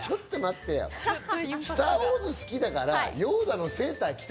『スター・ウォーズ』好きですから。